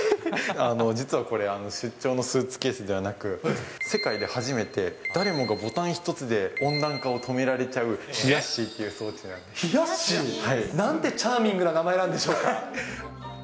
実はこれ、出張のスーツケースではなく、世界で初めて誰もがボタン１つで温暖化を止められちゃうひやっしひやっしー？なんてチャーミングな名前なんでしょうか。